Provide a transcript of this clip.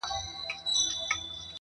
نه یې وېره له انسان وه نه له خدایه!.